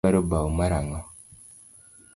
Idwaro bau mar ang’o?